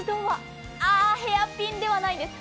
ヘアピンではないです